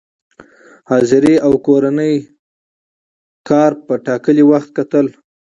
حاضري او کورني کار په ټاکلي وخت کتل،